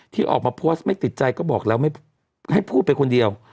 ที่ออกมาโพสต์ไม่ติดใจให้พูดไปคนเดียว